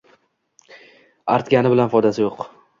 Artgani bilan foydasi yo‘q.